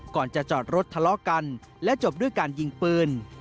ก่อนจะจอดรถทะเลาะกันและจบด้วยการยิงปืน